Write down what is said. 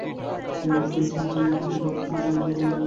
তিনি পেনসিলভানিয়ার ইরিতে দন্ত চিকিৎসক হিসেবে কর্মজীবন শুরু করেন।